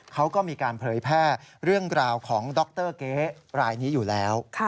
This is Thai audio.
เขาก็มีการเผยแพร่เรื่องราวของดรเก๊รายนี้อยู่แล้ว